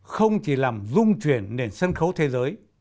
không chỉ làm dung chuyển nền sân khấu thế giới